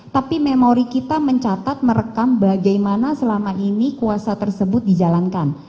tapi memori kita mencatat merekam bagaimana selama ini kuasa tersebut dijalankan